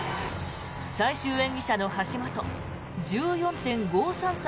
最終演技者の橋本１４．５３３